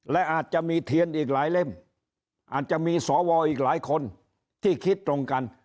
และอาจจะมีเทียนอีกหลายเล่มอาจจะมีสวอีกหลายคนที่คิดตรงกัน